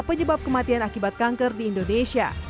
penyebab kematian akibat kanker di indonesia